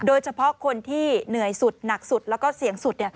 โดยเฉพาะคนที่เหนื่อยสุดหนักสุดแล้วก็เสี่ยงสุด